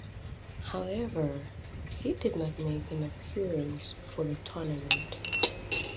However, he did not make an appearance at the tournament.